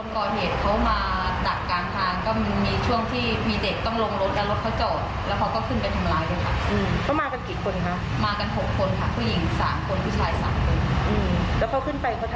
ทำร้ายตกตีทุกตีหมดทีในคลิปก็จะแบนแบนบริเวณให้ถึงที่สุดค่ะ